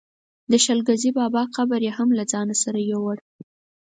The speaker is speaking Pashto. د شل ګزي بابا قبر یې هم له ځانه سره یووړ.